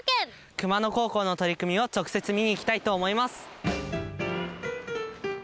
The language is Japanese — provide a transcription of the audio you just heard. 熊野高校の取り組みを直接見に行きたいと思います。